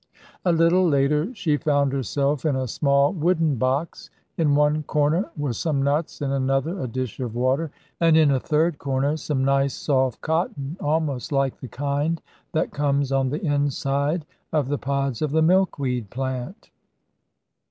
A little later she found herself in a small wooden box. In one corner were some nuts, in another a dish of water, and in a third corner some nice soft cotton, almost like the kind that comes on the inside of the pods of the milkweed plant.